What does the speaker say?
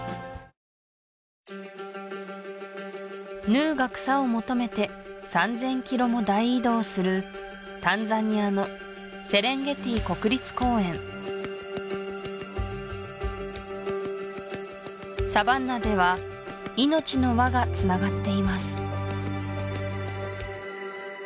ヌーが草を求めて３０００ｋｍも大移動するタンザニアのセレンゲティ国立公園サバンナでは命の輪がつながっています